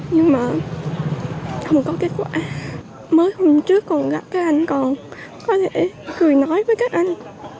nhưng mà không có kết quả mới hôm trước còn các anh còn có thể cười nói với các anh